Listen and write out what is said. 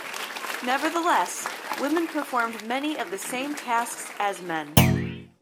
Nevertheless, women performed many of the same tasks as men.